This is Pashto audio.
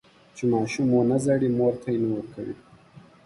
چې ماشوم ونه زړي، مور تی نه ورکوي.